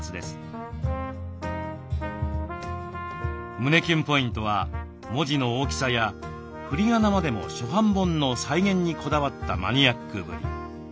胸キュンポイントは文字の大きさや振りがなまでも初版本の再現にこだわったマニアックぶり。